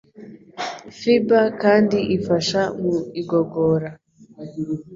Fiber kandi ifasha mu igogora